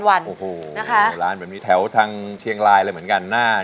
โอ้โหร้านแบบนี้แถวทางเชียงรายเหมือนกัน